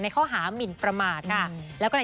ข้อหามินประมาทค่ะ